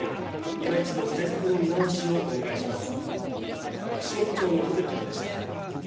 いま一度対策の見直しをお願いします。